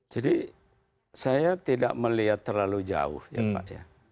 jadi saya tidak melihat terlalu jauh ya pak ya